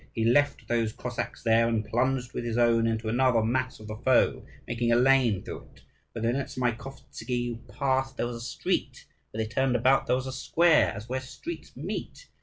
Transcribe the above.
He left those Cossacks there, and plunged with his own into another mass of the foe, making a lane through it. Where the Nezamaikovtzi passed there was a street; where they turned about there was a square as where streets meet.